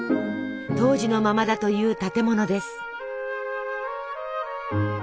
当時のままだという建物です。